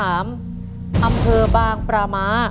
แบบช่วยดูเสลจคือทำทุกอย่างที่ให้น้องอยู่กับแม่ได้นานที่สุด